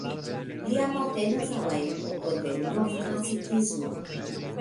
Li apartenas al la epoko de novklasikismo.